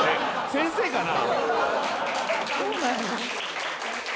先生かな？